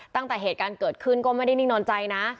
ตั้งแต่เหตุการณ์เกิดขึ้นก็ไม่ได้นิ่งนอนใจนะ